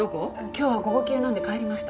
今日は午後休なんで帰りました。